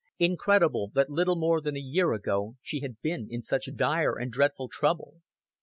Incredible that little more than a year ago she had been in such dire and dreadful trouble.